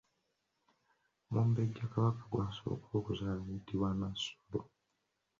Omumbejja Kabaka gw’asooka okuzaala ayitibwa Nnassolo.